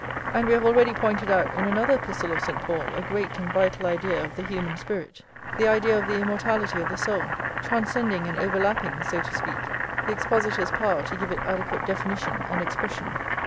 And we have already pointed out in another Epistle of St. Paul a great and vital idea of the human spirit, the idea of the immortality of the soul, transcending and overlapping, so to speak, the expositor's power to give it adequate definition and expression.